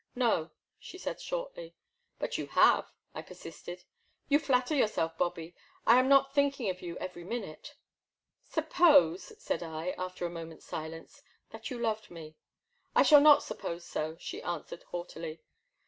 '* No/* she said shortly. But you have/* I persisted. You flatter yourself, Bobby. I am not think ing of you every minute. Suppose, said I, after a moment*s silence, that you loved me I shall not suppose so, she answered haugh tily.